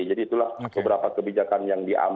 jadi itulah beberapa kebijakan yang dianggap